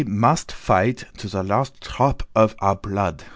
"Ve must vight to the last tr r op of our plood!"